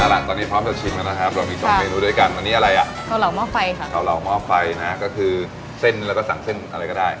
อันนี้อะไรอ่ะเคาะเหล่าหม้อไฟค่ะเคาะเหล่าหม้อไฟนะฮะก็คือเส้นแล้วก็สั่งเส้นอะไรก็ได้